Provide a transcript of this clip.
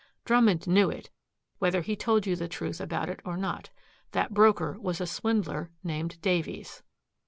Drummond knew it, whether he told you the truth about it or not. That broker was a swindler named Davies."